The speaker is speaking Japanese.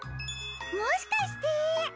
もしかして！